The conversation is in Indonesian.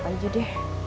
sepi banget ya